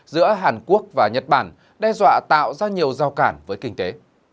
giữa hàn quốc và nhật bản đe dọa tạo ra nhiều giao cản với kinh tế